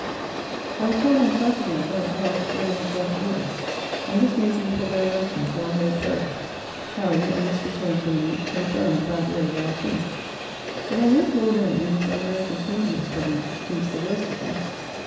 I was told on Saturday that thou wert very much out of order; and this made me forbear writing till I heard farther. Harry, on his return from thee, confirmed the bad way thou art in. But I hope Lord M. in his unmerited tenderness for thee, thinks the worst of thee.